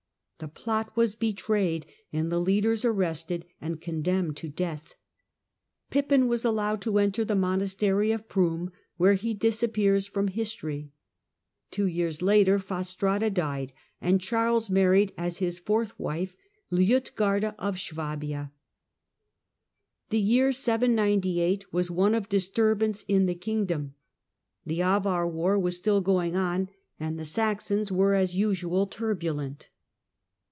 The plot was betrayed and the leaders arrested and con demned to death. Pippin was allowed to enter the monastery of Pruin, where he disappears from history. Two years later Fastrada died, and Charles married, as his fourth wife, Liutgarda of Suabia. The year 798 was one of disturbance in the kingdom. The Avar war was still going on and the Saxons were, 168 THE DAWN OF MEDIAEVAL EUROPE as usual, turbulent.